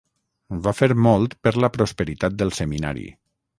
Va fer molt per la prosperitat del seminari.